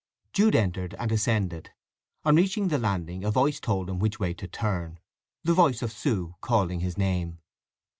Jude entered and ascended. On reaching the landing a voice told him which way to turn—the voice of Sue calling his name.